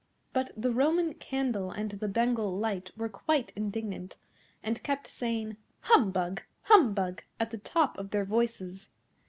But the Roman Candle and the Bengal Light were quite indignant, and kept saying, "Humbug! humbug!" at the top of their voices.